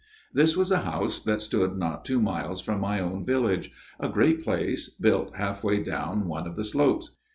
" This was a house that stood not two miles from my own village a great place, built half way down one of the slopes.